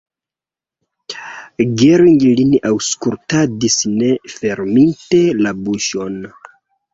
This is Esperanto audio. Gering lin aŭskultadis ne ferminte la buŝon.